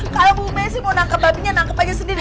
kalo bu mensi mau nangkep babinya nangkep aja sendiri